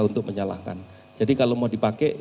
untuk menyalahkan jadi kalau mau dipakai